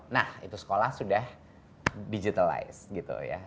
nah itu sekolah sudah digitalisasi